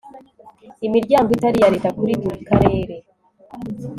imiryango itari iya leta kuri buri karere